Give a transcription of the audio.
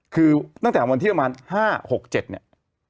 คือตั้งแต่วันที่ประมาณ๕๖๗เนี่ย